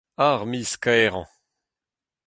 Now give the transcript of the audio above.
Ar miz kaerañ !